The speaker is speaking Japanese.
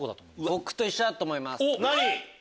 僕と一緒だと思います。